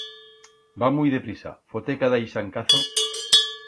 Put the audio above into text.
Va muit deprisa, fote cada ixancazo.